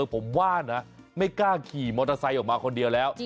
ผมว่านะไม่กล้าขี่มอเตอร์ไซค์ออกมาคนเดียวแล้ว